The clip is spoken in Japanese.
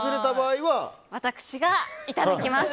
私がいただきます。